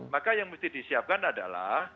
maka yang mesti disiapkan adalah